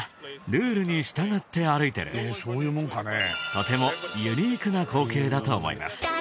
とてもユニークな光景だと思います。